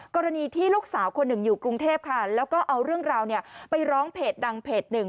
กรณีที่ลูกสาวคนหนึ่งอยู่กรุงเทพค่ะแล้วก็เอาเรื่องราวไปร้องเพจดังเพจหนึ่ง